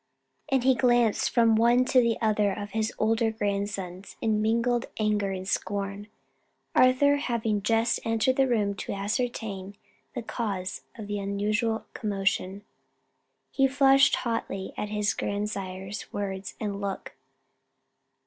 and he glanced from one to the other of his older grandsons in mingled anger and scorn; Arthur having just entered the room to ascertain the cause of the unusual commotion. He flushed hotly at his grandsire's words and look.